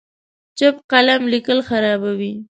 چپ قلم لیکل خرابوي.